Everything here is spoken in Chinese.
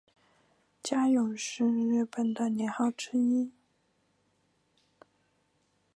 嘉永是日本的年号之一。